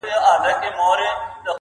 o د شلو کارگانو علاج يوه ډبره ده.